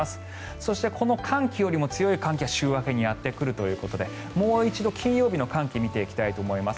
そしてこの寒気よりも強い寒気が週明けにやってくるということでもう一度、金曜日の寒気を見ていきたいと思います。